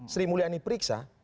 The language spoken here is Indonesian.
sri mulyani periksa